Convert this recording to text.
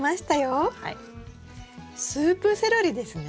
スープセロリですね。